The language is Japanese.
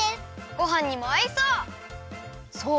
ごはんにもあいそう！